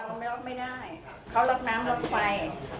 เราล็อกไม่ได้เขาล็อกน้ำล็อกไฟ